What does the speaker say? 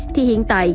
thì hiện tại